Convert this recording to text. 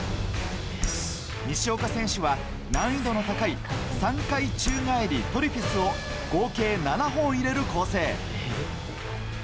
西岡選手は難易度の高い３回宙返りトリフィスを合計７本入れる構成。